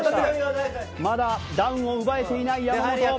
まだダウンを奪えていない山本。